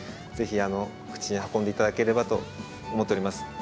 ぜひ口に運んでいただければと思っております。